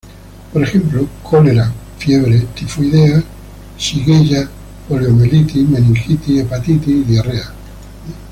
Por ejemplo cólera, fiebre tifoidea, shigella, poliomielitis, meningitis, hepatitis, diarrea.